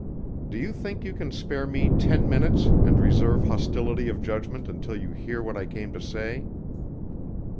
Do you think you can spare me ten minutes and reserve hostility of judgment until you hear what I came to say?"